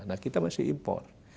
nah kita masih import